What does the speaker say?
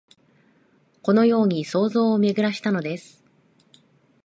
このように想像をめぐらしたのです